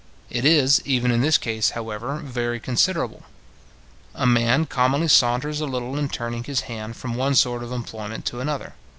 It is, even in this case, however, very considerable. A man commonly saunters a little in turning his hand from one sort of employment to another.